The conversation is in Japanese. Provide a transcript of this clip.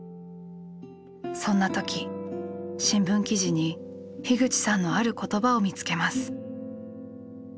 そんな時新聞記事に口さんのある言葉を見つけます。